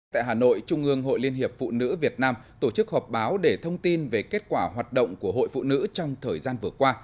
tại hà nội trung ương hội liên hiệp phụ nữ việt nam tổ chức họp báo để thông tin về kết quả hoạt động của hội phụ nữ trong thời gian vừa qua